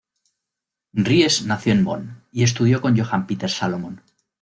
Ries nació en Bonn y estudió con Johann Peter Salomon.